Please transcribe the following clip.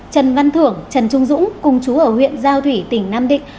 trần văn thưởng trần trung dũng cùng chú ở huyện giao thủy tỉnh nam định